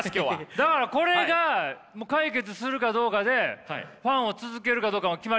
だからこれが解決するかどうかでファンを続けるかどうかが決まりますよね？